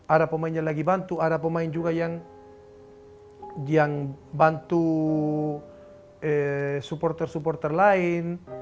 ada pemainnya lagi bantu ada pemain juga yang bantu supporter supporter lain